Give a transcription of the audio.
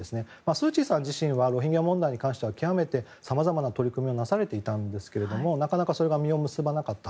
スー・チーさん自身はロヒンギャ問題に関しては極めて、さまざまな取り組みをなされていたんですけれどもなかなかそれが実を結ばなかった。